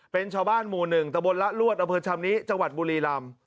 เป็นชาวบ้านหมู่๑ตะบนละลวดอเภอชำนี้จังหวัดบุรีรำ